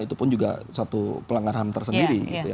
itu pun juga satu pelanggaran tersegiri